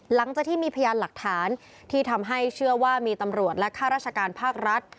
หลังจากที่มีพยานหลักฐานที่ทำให้เชื่อว่ามีตำรวจและข้าราชการภาครัฐ